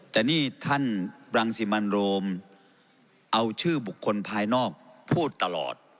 แต่นี่ท่านรังสิมันโรมเอาชื่อบุคคลภายนอกพูดตลอด